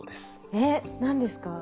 えっ何ですか？